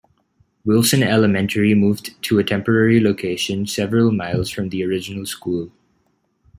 Wilson Elementary moved to a temporary location several miles from the original school.